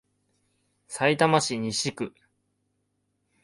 さいたま市西区